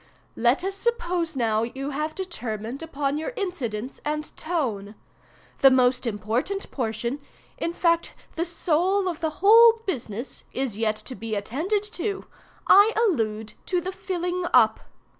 "Let us suppose now you have determined upon your incidents and tone. The most important portion—in fact, the soul of the whole business, is yet to be attended to—I allude to the filling up.